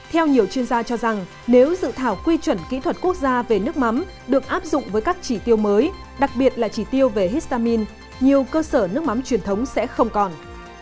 theo nhiều chuyên gia cho rằng nếu dự thảo quy chuẩn kỹ thuật quốc gia về nước mắm được áp dụng với các chỉ tiêu mới đặc biệt là chỉ tiêu về histamine nhiều cơ sở nước mắm truyền thống sẽ không còn